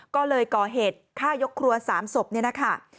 ก็เลยก่อเหตุฆ่ายกครัว๓ศพนี่นะคะ